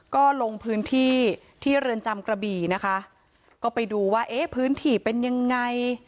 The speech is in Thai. ก็ลงพื้นที่ที่เรือนจำกระบี่นะคะก็ไปดูว่าเอ๊ะพื้นที่เป็นยังไง